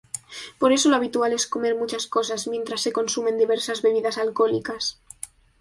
Por eso lo habitual es comer muchas cosas, mientras se consumen diversas bebidas alcohólicas.